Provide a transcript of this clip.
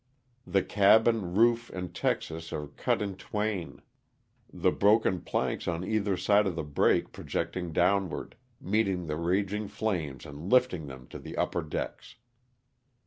The cabin, roof and texas are cut in twain ; the broken planks on either side of the break projecting downward, meeting the raging flames and lifting them to the upper decks.